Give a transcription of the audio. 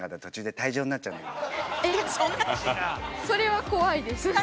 それは怖いです。